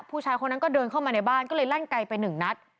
ผู้ชายคนนั้นก็เดินเข้ามาในบ้านก็เลยลั่นไกลไปหนึ่งนัด